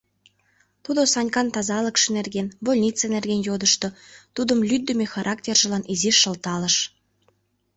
Тудо Санькан тазалыкше нерген, больнице нерген йодышто, тудым лӱддымӧ характержылан изиш шылталыш.